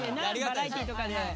ありがたいね